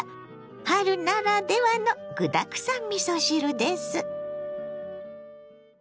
春ならではの具だくさんみそ汁です。